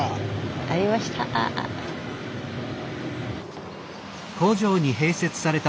ありました。